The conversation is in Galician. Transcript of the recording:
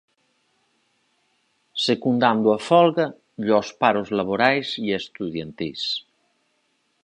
Secundando a folga e os paros laborais e estudantís.